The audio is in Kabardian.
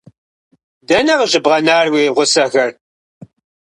Дэнэ къыщыбгъэнар уи гъусэхэр?